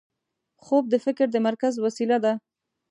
خوب د فکر د تمرکز وسیله ده